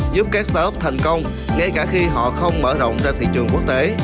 giúp các startup thành công ngay cả khi họ không mở rộng ra thị trường quốc tế